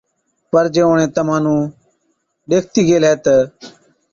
پَر جي اُڻهين تمهان نُون ڏيکتِي گيهلَي تہ،